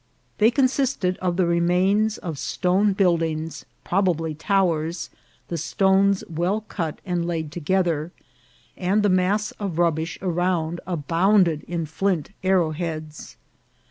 They consisted of the remains of stone buildings, probably towers, the stones well cut and laid together, and the mass of rubbish around abounded in flint arrow heads.